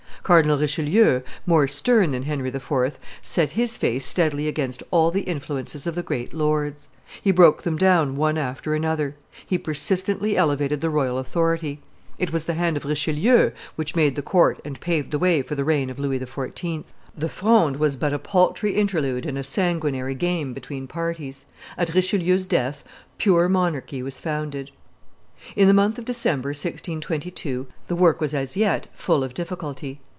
Cardinal Richelieu, more stern than Henry IV., set his face steadily against all the influences of the great lords; he broke them down one after another; he persistently elevated the royal authority; it was the hand of Richelieu which made the court and paved the way for the reign of Louis XIV. The Fronde was but a paltry interlude and a sanguinary game between parties. At Richelieu's death, pure monarchy was founded. [Illustration: RICHELIEU 180] In the month of December, 1622, the work was as yet full of difficulty.